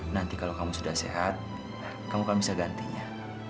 nanti kalau kamu sudah sehat kamu akan bisa gantinya